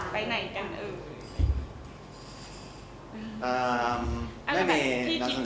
เปิดทางทางสูง